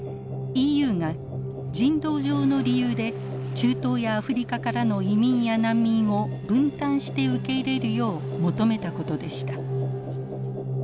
ＥＵが人道上の理由で中東やアフリカからの移民や難民を分担して受け入れるよう求めたことでした。